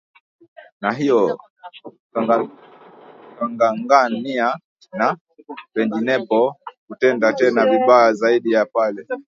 na hiyo kangangania na penginepo kutenda tena vibaya zaidi ya pale